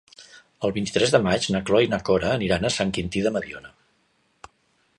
El vint-i-tres de maig na Cloè i na Cora aniran a Sant Quintí de Mediona.